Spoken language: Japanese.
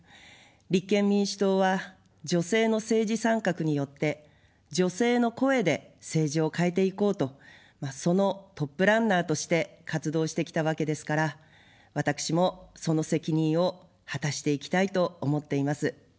立憲民主党は女性の政治参画によって女性の声で政治を変えていこうと、そのトップランナーとして活動してきたわけですから、私もその責任を果たしていきたいと思っています。